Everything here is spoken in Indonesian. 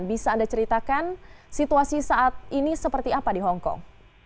bisa anda ceritakan situasi saat ini seperti apa di hongkong